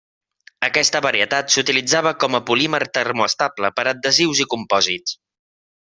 Aquesta varietat s'utilitzava com a polímer termoestable per adhesius i compòsits.